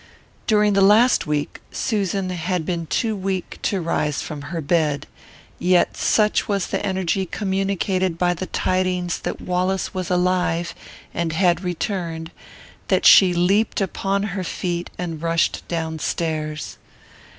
During the last week Susan had been too weak to rise from her bed; yet such was the energy communicated by the tidings that Wallace was alive, and had returned, that she leaped upon her feet and rushed down stairs.